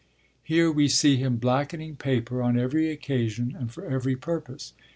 Here we see him blackening paper, on every occasion, and for every purpose.